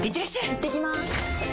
いってきます！